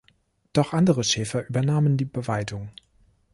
Doch andere Schäfer übernahmen die Beweidung.